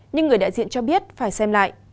nhưng người đại diện cho biết phải xem lại